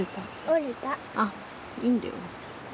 あっいいんだよ。